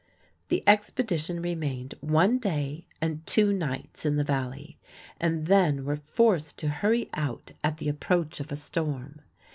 The expedition remained one day and two nights in the Valley, and then were forced to hurry out at the approach of a storm.